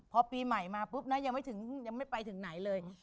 พอปีใหม่มาปุ๊บนะยังไม่ไปถึงไหนเลย